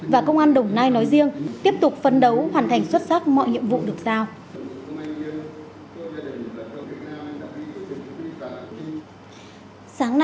và công an đồng nai nói riêng tiếp tục phấn đấu hoàn thành xuất sắc mọi nhiệm vụ được giao